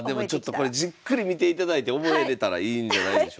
じっくり見ていただいて覚えれたらいいんじゃないでしょうか。